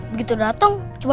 ya mama antarin rina